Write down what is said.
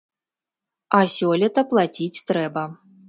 А сёлета плаціць трэба.